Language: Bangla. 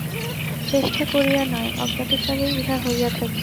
চেষ্টা করিয়া নয়, অজ্ঞাতসারেই ইহা হইয়া থাকে।